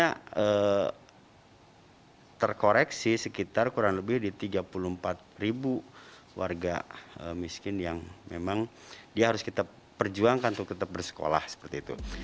karena terkoreksi sekitar kurang lebih di tiga puluh empat ribu warga miskin yang memang dia harus kita perjuangkan untuk tetap bersekolah seperti itu